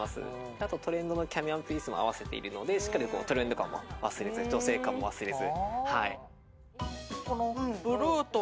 あとトレンドのキャミワンピースを合わせているのでしっかりとトレンド感も忘れず、女性感も忘れず。